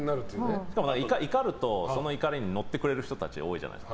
怒るとその怒りに乗ってくれる人たち多いじゃないですか。